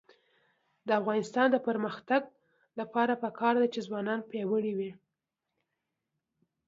د افغانستان د اقتصادي پرمختګ لپاره پکار ده چې ځوانان پیاوړي وي.